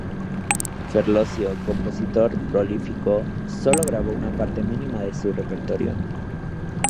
Ferlosio, compositor prolífico, solo grabó una parte mínima de su repertorio.